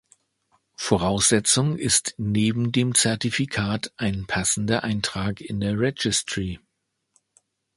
Voraussetzung ist neben dem Zertifikat ein passender Eintrag in der Registry.